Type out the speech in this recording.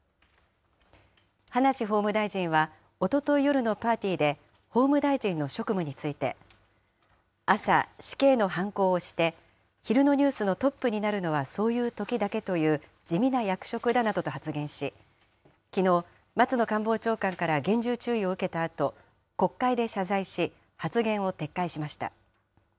葉梨法務大臣はおととい夜のパーティーで、法務大臣の職務について、朝、死刑のはんこを押して、昼のニュースのトップになるのはそういうときだけという、地味な役職だなどと発言し、きのう、松野官房長官から厳重注意を受けたあと、国会で謝罪し、発言を撤回しました。